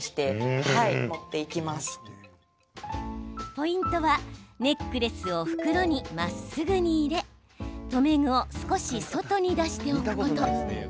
ポイントはネックレスを袋にまっすぐ入れ留め具を少し外に出しておくこと。